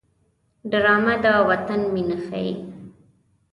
ډرامه د وطن مینه ښيي